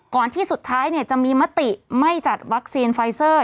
ที่สุดท้ายจะมีมติไม่จัดวัคซีนไฟเซอร์